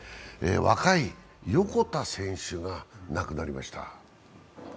若い、横田選手が亡くなりました。